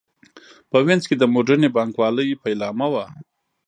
په وینز کې د موډرنې بانک والۍ پیلامه وه.